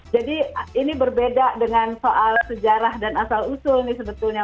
jadi ini berbeda dengan soal sejarah dan asal usul ini sebetulnya